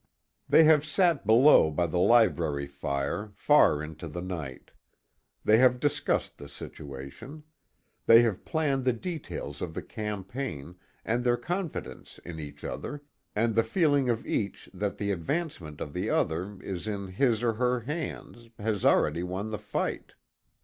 They have sat below by the library fire, far into the night. They have discussed the situation. They have planned the details of the campaign, and their confidence in each other, and the feeling of each that the advancement of the other is in his or her hands, has already won the fight.